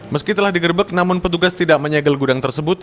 meski telah digerbek namun petugas tidak menyegel gudang tersebut